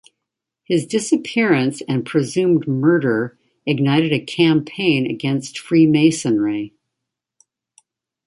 His disappearance and presumed murder ignited a campaign against Freemasonry.